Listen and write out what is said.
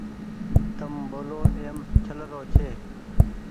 تم ٻولو ايم ڇلرو ڇي